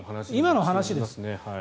今の話です。